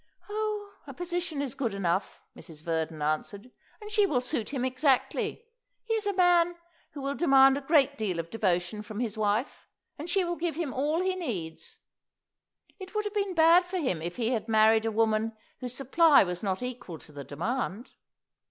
"Oh, her position is good enough," Mrs. Verdon answered, "and she will suit him exactly. He is a man who will demand a great deal of devotion from his wife, and she will give him all he needs. It would have been bad for him if he had married a woman whose supply was not equal to the demand."